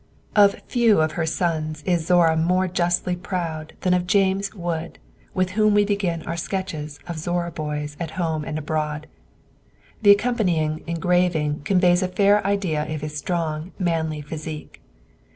Of few of her sons is Zorra more justly proud than of James Wood, with whom we begin our sketches of "Zorra Boys at Home and Abroad." The accompanying engraving conveys a fair idea of his strong, manly physique.